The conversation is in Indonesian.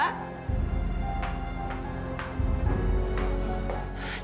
saya mau bicara sama manajer di toko ini